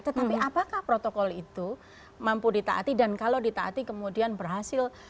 tetapi apakah protokol itu mampu ditaati dan kalau ditaati kemudian berhasil